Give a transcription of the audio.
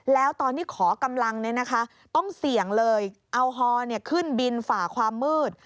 แล้วตอนที่ขอกำลังเนี่ยนะคะต้องเสี่ยงเลยเอาฮอล์เนี่ยขึ้นบินฝ่าความมืด